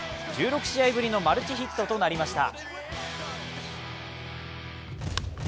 １６試合ぶりのマルチヒットとなりました。